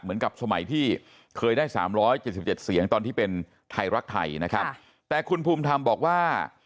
เหมือนกับสมัยที่เคยได้สามร้อยเจ็ดสิบเจ็ดเสียงตอนที่เป็นไทยรักไทยนะครับแต่คุณภูมิธรรมบอกว่า